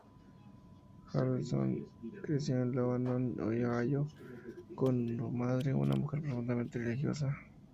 Harrelson creció en Lebanon, Ohio, con su madre, una mujer profundamente religiosa.